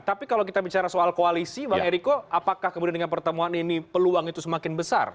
tapi kalau kita bicara soal koalisi bang eriko apakah kemudian dengan pertemuan ini peluang itu semakin besar